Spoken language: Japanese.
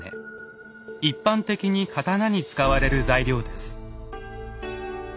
一般的に刀に使われる材料です。